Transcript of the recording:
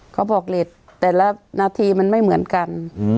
เขาบอกเหล็กแต่ละนาทีมันไม่เหมือนกัน